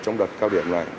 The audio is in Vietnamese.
trong đợt cao điểm này